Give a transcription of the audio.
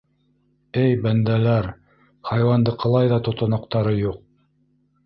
Эй, бәндәләр... хайуандыҡылай ҙа тотанаҡтары юҡ...